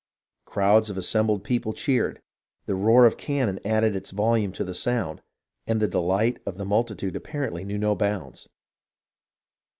Crowds of assembled people cheered, the roar of cannon added its volume to the sound, and the delight of the multitude apparently knew no bounds.